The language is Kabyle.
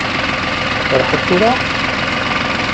Tferḥeḍ tura?